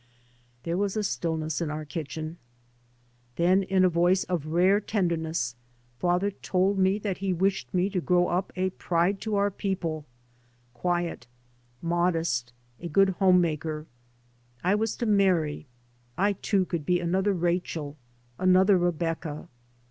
There was a stillness in our kitchen. Then in a voice of rare tenderness father told me that he wished me to grow up a pride to our people, quiet, modest, a good home maker. I was to marry; I too could be an other Rachel, another Rebecca.